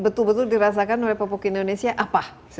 betul betul dirasakan oleh pupuk indonesia apa